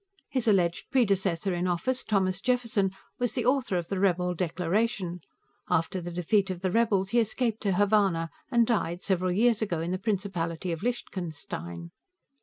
His alleged predecessor in office, Thomas Jefferson, was the author of the rebel Declaration; after the defeat of the rebels, he escaped to Havana, and died, several years ago, in the Principality of Lichtenstein.